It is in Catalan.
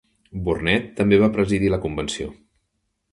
Burnett també va presidir la convenció.